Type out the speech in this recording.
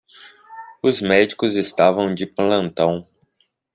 Os médicos estavam de plantão.